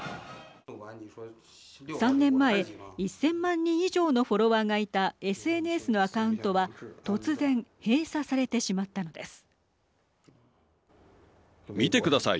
３年前、１０００万人以上のフォロワーがいたＳＮＳのアカウントは突然閉鎖されてしまったのです。